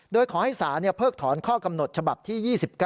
โดยขอให้ศาลเพิกถอนข้อกำหนดฉบับที่๒๙